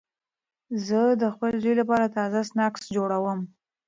زه د خپل زوی لپاره تازه سنکس جوړوم.